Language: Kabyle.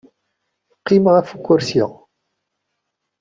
Teqqim ɣef ukersi.